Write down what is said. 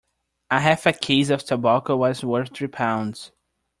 A half a case of tobacco was worth three pounds.